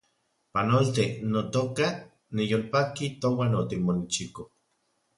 Panolti, notoka , niyolpaki touan otimonechiko